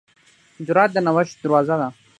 جرأت د نوښت دروازه ده.